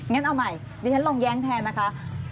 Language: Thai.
งั้นเอาใหม่ดิฉันลองแย้งแทนนะคะ